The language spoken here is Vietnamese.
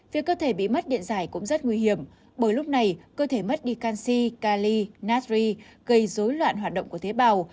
việc cơ thể bị mất điện giải cũng rất nguy hiểm bởi lúc này cơ thể mất đi canxi kali natri gây dối loạn hoạt động của tế bào